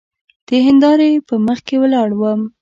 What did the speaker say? د هندارې په مخکې ولاړ وم.